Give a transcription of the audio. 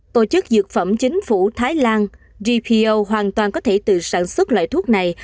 tổ chức dược phẩm chính phủ thái lan gpo hoàn toàn có thể tự sản xuất loại thuốc này